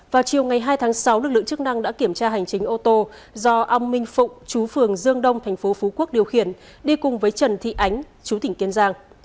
vào chiều ngày hai tháng sáu lực lượng chức năng đã kiểm tra hành chính ô tô do ong minh phụng chú phường dương đông thành phố phú quốc điều khiển đi cùng với trần thị ánh chú tỉnh kiên giang